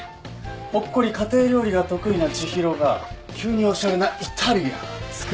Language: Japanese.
ほっこり家庭料理が得意な知博が急におしゃれなイタリアン作りたいなんて。